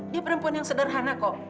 dia perempuan yang sederhana kok